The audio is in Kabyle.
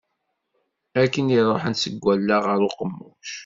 Akken i d-ruḥent seg wallaɣ ɣer uqemmuc.